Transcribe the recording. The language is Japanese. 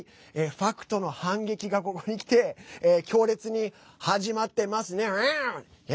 ファクトの反撃が、ここにきて強烈に始まってますね。